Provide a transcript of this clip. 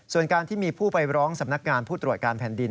ส่วนการที่มีผู้ไปร้องสำนักงานผู้ตรวจการแผ่นดิน